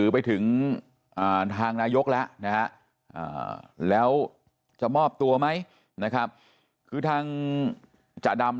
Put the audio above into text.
ไปถึงทางนายกแล้วนะฮะแล้วจะมอบตัวไหมนะครับคือทางจดำ